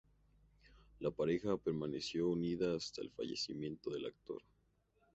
La pareja permaneció unida hasta el fallecimiento del actor.